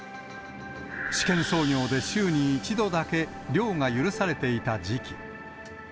試験操業で週に１度だけ漁が許されていた時期。